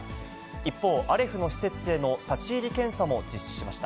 一方、アレフの施設への立ち入り検査も実施しました。